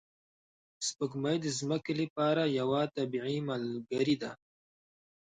سپوږمۍ د ځمکې لپاره یوه طبیعي ملګرې ده